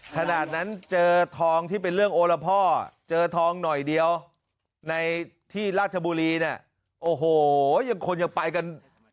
ขนาดนั้นเจอทองที่เป็นเรื่องโอละพ่อเจอทองหน่อยเดียวในที่ราชบุรีเนี่ยโอ้โหยังคนยังไปกัน